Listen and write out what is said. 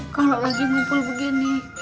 kalau lagi ngumpul begini